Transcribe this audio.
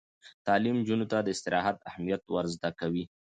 تعلیم نجونو ته د استراحت اهمیت ور زده کوي.